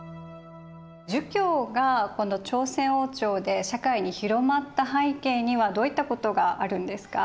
儒教がこの朝鮮王朝で社会に広まった背景にはどういったことがあるんですか？